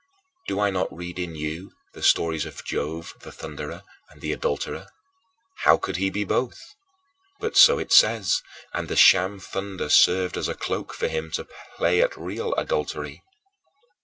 Do I not read in you the stories of Jove the thunderer and the adulterer? How could he be both? But so it says, and the sham thunder served as a cloak for him to play at real adultery.